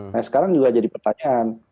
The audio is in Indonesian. nah sekarang juga jadi pertanyaan